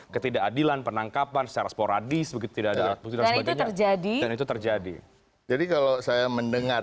ketidakadilan penangkapan secara sporadis begitu tidak ada dan itu terjadi jadi kalau saya mendengar